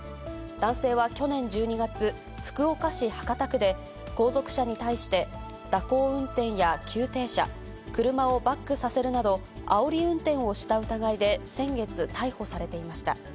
男性は去年１２月、福岡市博多区で、後続車に対して蛇行運転や急停車、車をバックさせるなど、あおり運転をした疑いで先月、逮捕されていました。